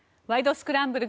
スクランブル」